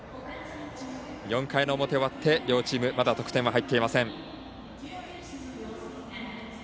４回の表終わって、両チームまだ得点は入っていません。